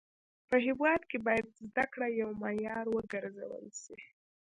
په هيواد کي باید زده کړه يو معيار و ګرځول سي.